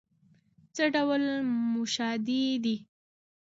څه ډول موشادې دي؟